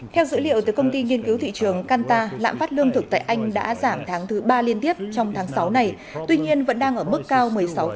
theo dữ liệu từ công ty nghiên cứu thị trường qnta lạm phát lương thực tại anh đã giảm tháng thứ ba liên tiếp trong tháng sáu này tuy nhiên vẫn đang ở mức cao một mươi sáu